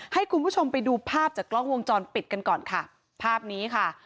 ให้คุณผู้ชมไปดูภาพจากกล้องวงจรปิดกันก่อนค่ะภาพนี้ค่ะ